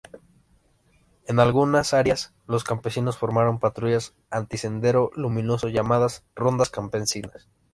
En algunas áreas, los campesinos formaron patrullas Anti-Sendero Luminoso, llamadas rondas campesinas.